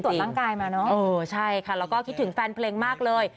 เขาไปตรวจรังกายมาเนอะโอ้ใช่ค่ะแล้วก็คิดถึงแฟนเพลงมากเลย